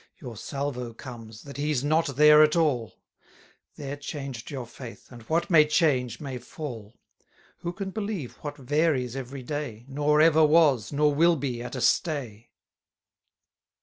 Your salvo comes, that he's not there at all: There changed your faith, and what may change may fall. Who can believe what varies every day, Nor ever was, nor will be at a stay?